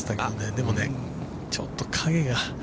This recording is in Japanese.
でも、ちょっと影が。